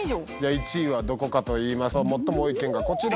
１位はどこかといいますと最も多い県がこちら。